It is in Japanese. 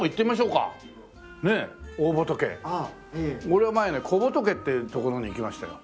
俺は前ね小仏っていう所に行きましたよ。